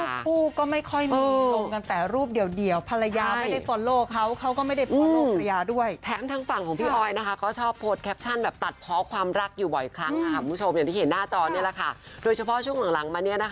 คู่ก็ไม่ค่อยมีตรงกันแต่รูปเดียว